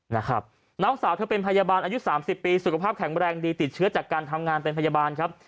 น้องสาวเธอเป็นพยาบาลอายุสามสิบปีสุขภาพแข็งแรงดีติดเชื้อจากการทำงานเป็นพยาบาลครับ